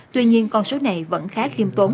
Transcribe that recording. tuy nhiên con số này vẫn khá khiêm tốn